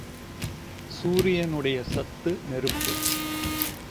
சூரியனுடைய சத்து நெருப்பு.